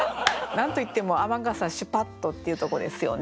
何と言っても「雨傘シュパッと」っていうとこですよね。